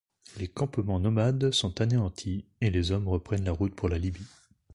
Les campements nomades sont anéantis et les hommes reprennent la route pour la Libye.